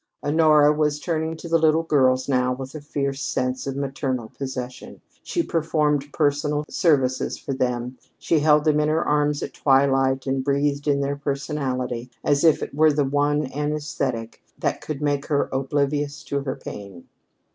Honora was turning to the little girls now with a fierce sense of maternal possession. She performed personal services for them. She held them in her arms at twilight and breathed in their personality as if it were the one anaesthetic that could make her oblivious to her pain.